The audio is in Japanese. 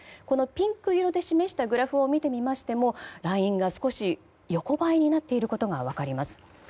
このピンク色で示したグラフを見てみてみましてもラインが少し横ばいになっていることが分かります。